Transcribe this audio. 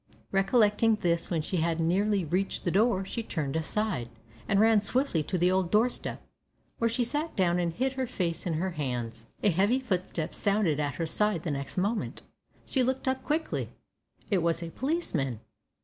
Recollecting this when she had nearly reached the door, she turned aside, and ran swiftly to the old door step, where she sat down and hid her face in her hands. A heavy footstep sounded at her side the next moment. She looked quickly up. It was a policeman.